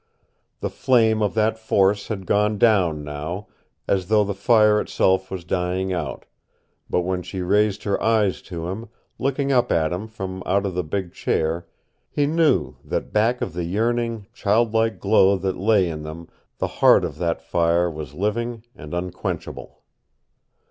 The flame of that force had gone down now, as though the fire itself was dying out; but when she raised her eyes to him, looking up at him from out of the big chair, he knew that back of the yearning, child like glow that lay in them the heart of that fire was living and unquenchable.